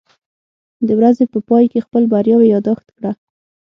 د ورځې په پای کې خپل بریاوې یاداښت کړه.